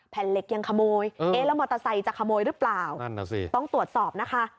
เหล็กยังขโมยเอ๊ะแล้วมอเตอร์ไซค์จะขโมยหรือเปล่านั่นน่ะสิต้องตรวจสอบนะคะ